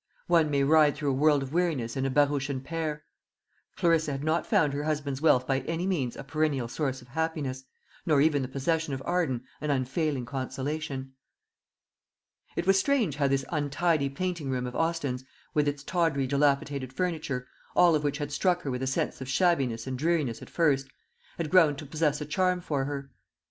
One may ride through a world of weariness in a barouche and pair. Clarissa had not found her husband's wealth by any means a perennial source of happiness, nor even the possession of Arden an unfailing consolation. It was strange how this untidy painting room of Austin's, with its tawdry dilapidated furniture all of which had struck her with a sense of shabbiness and dreariness at first had grown to possess a charm for her.